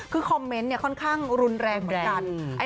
คือคอมเมนต์ค่อนข้างรุนแรงเหมือนกัน